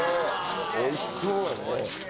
おいしそうやね。